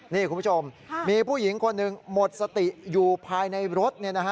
นี่คุณผู้ชมมีผู้หญิงคนหนึ่งหมดสติอยู่ภายในรถ